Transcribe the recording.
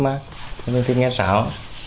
mình thích ngó thích mát thích nghe sáo